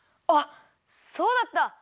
あっそうだった！